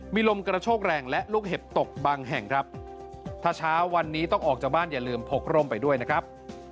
มีลมกระโชกแรงและลูกเห็บตกบางแห่งครับถ้าเช้าวันนี้ต้องออกจากบ้านอย่าลืมพกร่มไปด้วยนะครับ